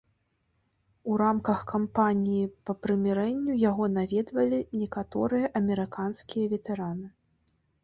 У рамках кампаніі па прымірэнню яго наведвалі некаторыя амерыканскія ветэраны.